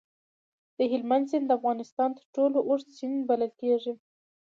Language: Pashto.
د هلمند سیند د افغانستان تر ټولو اوږد سیند بلل کېږي.